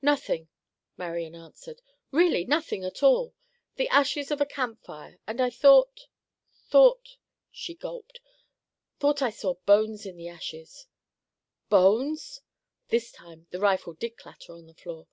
"Nothing," Marian answered. "Really nothing at all. The ashes of a camp fire, and I thought—thought," she gulped, "thought I saw bones in the ashes!" "Bones?" This time the rifle did clatter to the floor.